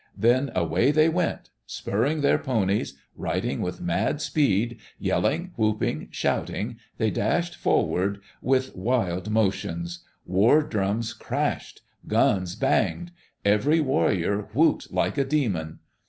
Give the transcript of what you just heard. Then away they wentl Spurring their ponies, riding with mad speed, yelling, whooping, shouting, they dashed forward with wild motions. War drums crashed; guns banged; every warrior whooped like a demon.